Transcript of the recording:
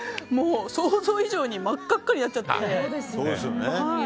想像以上に真っ赤っかになっちゃって。